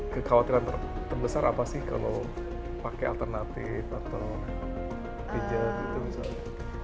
kekhawatiran terbesar apa sih kalau pakai alternatif atau pijat gitu misalnya